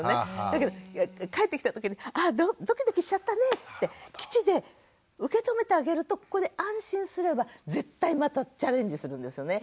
だけど帰ってきた時に「あドキドキしちゃったね」って基地で受け止めてあげるとここで安心すれば絶対またチャレンジするんですよね。